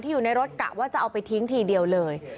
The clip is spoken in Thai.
อยู่ในรถกะว่าจะเอาไปทิ้งทีเดียวเลย